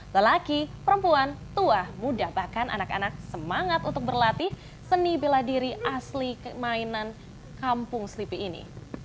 lelaki perempuan tua muda bahkan anak anak semangat untuk berlatih seni bela diri asli mainan kampung selipi ini